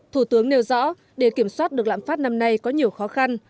thủ tướng nêu rõ để kiểm soát được lạm phát năm nay có nhiều khó khăn